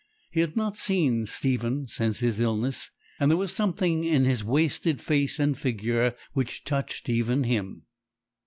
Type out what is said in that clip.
He had not seen Stephen since his illness, and there was something in his wasted face and figure which touched even him.